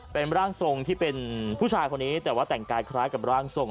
เป็นร่างทรงที่เป็นผู้ชายคนนี้แต่ว่าแต่งกายคล้ายกับร่างทรง